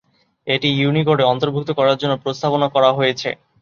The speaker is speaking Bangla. এটি ইউনিকোডে অন্তর্ভুক্ত করার জন্য প্রস্তাবনা করা হয়েছে।